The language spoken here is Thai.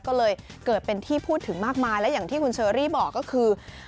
ก็เลยเกิดเป็นที่พูดถึงมากมายและอย่างที่คุณเชอรี่บอกก็คือ